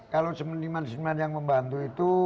kalau seniman seniman yang membantu itu